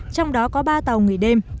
trong đó có ba tàu nghỉ đêm